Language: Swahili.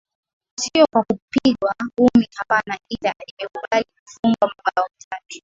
sio kwa kupigwa ngumi hapana ila imekubali kufungwa mabao matatu